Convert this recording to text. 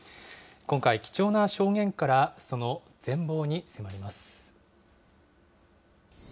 今回、貴重な証言からその全貌に迫ります。